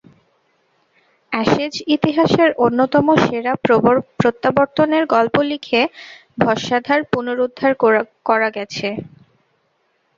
Ashes ইতিহাসের অন্যতম সেরা প্রত্যাবর্তনের গল্প লিখে ভস্মাধার পুনরুদ্ধার করা গেছে।